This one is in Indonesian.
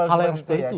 hal hal seperti itu ya